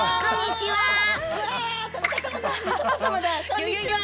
こんにちは！